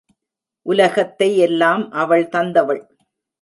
உலகத்தை எல்லாம் அவள் தந்தவள்.